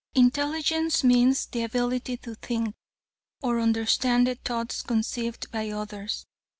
"Intelligence means the ability to think, or understand the thoughts conceived by others.